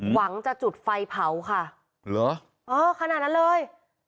หวังจะจุดไฟเผาค่ะเหรอเออขนาดนั้นเลย